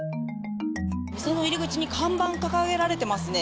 店の入り口に看板掲げられてますね。